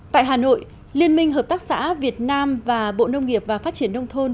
tại hà nội liên minh hợp tác xã việt nam và bộ nông nghiệp và phát triển nông thôn